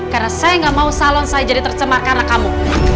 karena saya nggak mau salon saya jadi tercemar karena kamu